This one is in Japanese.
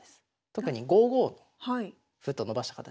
特に５五歩と伸ばした形。